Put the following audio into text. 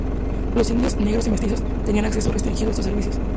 Los indios, negros y mestizos tenían acceso restringido a estos servicios.